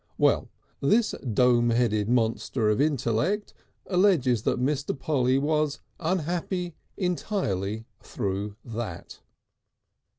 Well, this dome headed monster of intellect alleges that Mr. Polly was unhappy entirely through that.